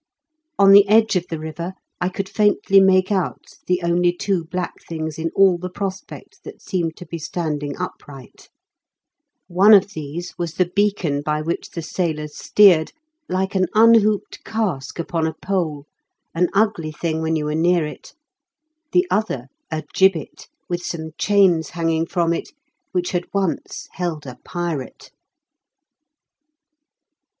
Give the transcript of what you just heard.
On the edge of the river I could faintly make out the only two black things in all the prospect that seemed to be standing upright ; one of these was the beacon by which the sailors steered, — like an unhooped cask upon a pole, — an ugly thing when you were near it ; the other, a gibbet, with some chains hanging from it, which had once held a pirate."